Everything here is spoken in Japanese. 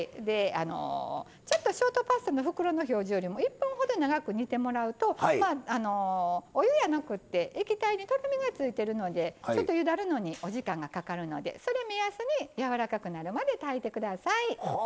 ちょっとショートパスタの袋の表示よりも１分ほど長く煮てもらうとお湯やなくて液体にとろみがついてるのでちょっとゆだるのにお時間がかかるのにそれ目安にやわらかくなるまで炊いてください。